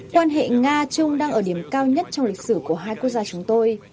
quan hệ nga trung đang ở điểm cao nhất trong lịch sử của hai quốc gia chúng tôi